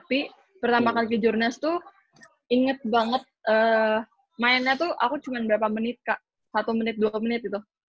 tapi pertama kali ke jurnas tuh inget banget mainnya tuh aku cuma berapa menit kak satu menit dua puluh menit gitu